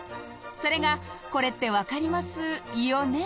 それがこれって分かりますよね？